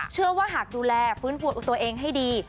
เชื่อว่าหากดูแลฟื้นฟูตัวเองให้ดี